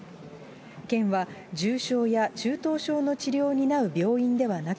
県は、重症や中等症の治療を担う病院ではなく、